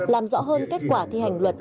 làm rõ hơn kết quả thi hành luật